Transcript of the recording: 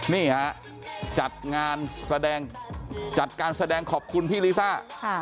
นี่ฮะจัดงานแสดงจัดการแสดงขอบคุณพี่ลิซ่า